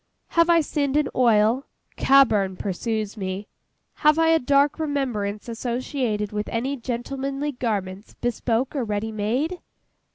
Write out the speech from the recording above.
Have I sinned in oil? CABBURN pursues me. Have I a dark remembrance associated with any gentlemanly garments, bespoke or ready made?